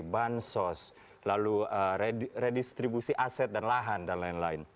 bansos lalu redistribusi aset dan lahan dan lain lain